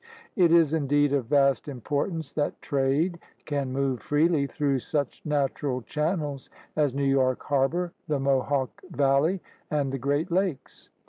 It is indeed of vast importance that trade can move freely through such natural channels as New York Harbor, the Mohawk Valley, and the Great Lakes.